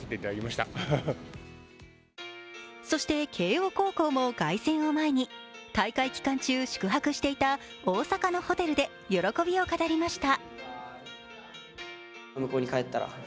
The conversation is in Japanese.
そして、慶応高校も凱旋を前に、大会期間中宿泊していた大阪のホテルで喜びを語りました。